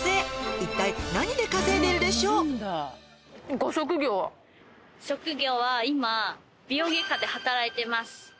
「いったい」職業は今美容外科で働いてます。